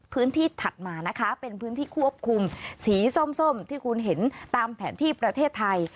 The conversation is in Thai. ถัดมานะคะเป็นพื้นที่ควบคุมสีส้มที่คุณเห็นตามแผนที่ประเทศไทย